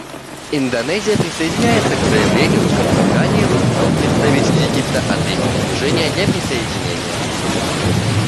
Индонезия присоединяется к заявлению, с которым ранее выступил представитель Египта от имени Движения неприсоединения.